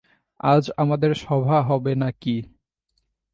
আজ আমাদের সভা হবে না কি।